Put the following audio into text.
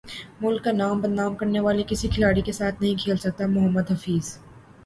ملک کا نام بدنام کرنے والے کسی کھلاڑی کے ساتھ نہیں کھیل سکتا محمد حفیظ